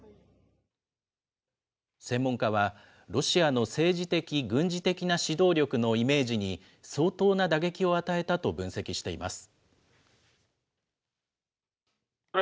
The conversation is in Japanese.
専門家は、ロシアの政治的、軍事的な指導力のイメージに相当な打撃を与えたと分析しています。